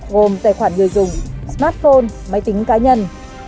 gồm tài khoản người dùng smartphone máy tính cá nhân